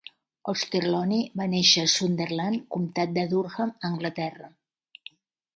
Auchterlonie va néixer a Sunderland, comtat de Durham, Anglaterra.